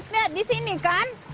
lihat di sini kan